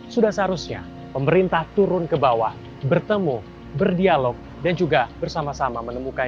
sudah seharusnya pemerintah turun ke bawah bertemu berdialog dan juga bersama sama menemukan